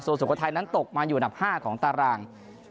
ส่วนสุโขทัยนั้นตกมาอยู่อันดับ๕ของตาราง